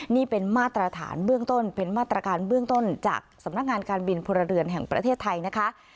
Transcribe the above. นี่เป็นมาตรฐานเบื้องต้นเป็นมาตรการเบื้องต้นจากสำนักงานการบินพลเรือนแห่งประเทศไทยนะคะ